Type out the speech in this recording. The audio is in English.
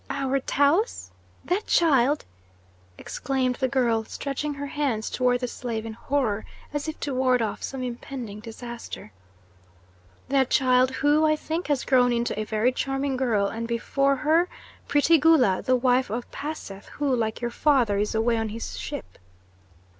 "Our Taus? That child?" exclaimed the girl, stretching her hands toward the slave in horror, as if to ward off some impending disaster. "That child, who, I think, has grown into a very charming girl and, before her, pretty Gula, the wife of Paseth, who, like your father, is away on his ship."